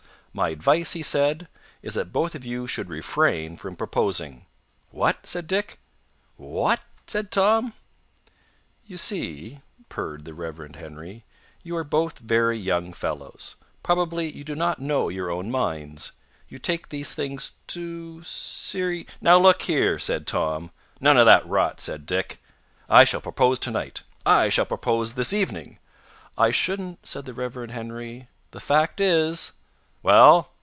"My advice," he said, "is that both of you should refrain from proposing." "What?" said Dick. "Wha at?" said Tom. "You see," purred the Rev. Henry, "you are both very young fellows. Probably you do not know your own minds. You take these things too seri " "Now, look here," said Tom. "None of that rot," said Dick. "I shall propose tonight." "I shall propose this evening." "I shouldn't," said the Rev. Henry. "The fact is " "Well?"